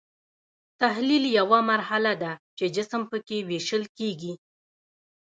تحلیل یوه مرحله ده چې جسم پکې ویشل کیږي.